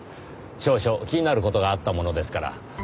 少々気になる事があったものですから。